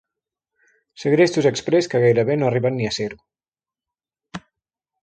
Segrestos exprés que gairebé no arriben ni a ser-ho.